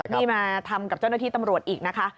นี่มาทำกับเจ้าหน้าที่ตำรวจอีกนะคะ